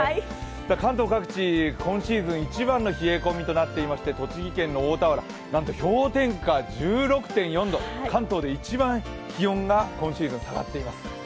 関東各地今シーズン一番の冷え込みとなっていまして栃木県の大田原、なんと氷点下１６．４度、関東で一番気温が今シーズン下がっています。